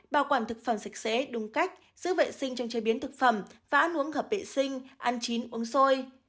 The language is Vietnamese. bảo quản thực phẩm sạch sẽ đúng cách giữ vệ sinh trong chế biến thực phẩm và ăn uống gặp vệ sinh ăn chín uống xôi